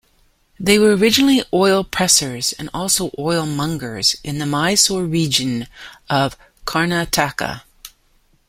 They were originally oil pressers and also oil-mongers in the Mysore region of Karnataka.